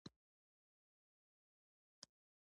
دیوبند مدرسه تاسیس شوه.